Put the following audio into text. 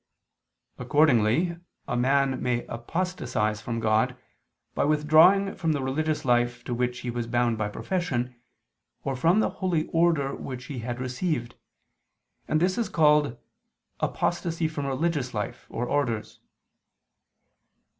Accordingly a man may apostatize from God, by withdrawing from the religious life to which he was bound by profession, or from the Holy Order which he had received: and this is called "apostasy from religious life" or "Orders."